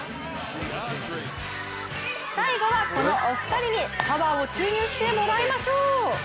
最後はこのお二人にパワーを注入してもらいましょう。